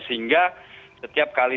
sehingga setiap kali